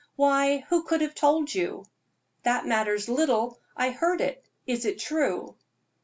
"Why, who could have told you?" "That matters little; I heard it. Is it true?"